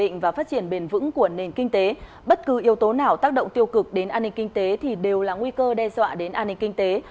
nhân tố nào tác động tiêu cực đến an ninh kinh tế thì đều là nguy cơ đe dọa đến an ninh kinh tế